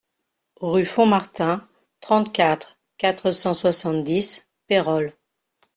Rue Font Martin, trente-quatre, quatre cent soixante-dix Pérols